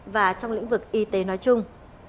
và trong lĩnh vực y tế nói chung